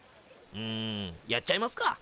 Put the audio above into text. んやっちゃいますか！